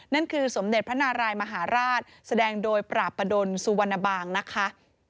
นั่นคือสมเด็จพระนารายมหาราชแสดงโดยปราบประดนสุวรรณบางนะคะ